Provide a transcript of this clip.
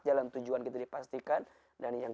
jalan tujuan kita dipastikan dan yang